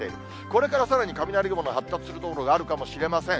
これからさらに雷雲の発達する所があるかもしれません。